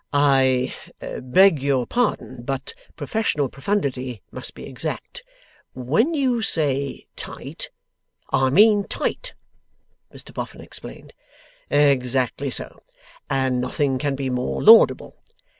'I beg your pardon, but professional profundity must be exact. When you say tight ' 'I mean tight,' Mr Boffin explained. 'Exactly so. And nothing can be more laudable.